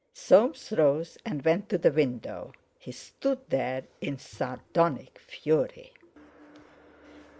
'" Soames rose and went to the window. He stood there in sardonic fury.